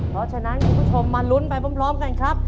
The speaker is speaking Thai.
เพราะฉะนั้นคุณผู้ชมมาลุ้นไปพร้อมกันครับ